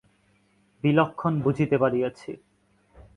বিলক্ষণ বুঝিতে পারিয়াছি।